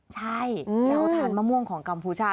ใช่แล้วทานมะม่วงของกัมพูชา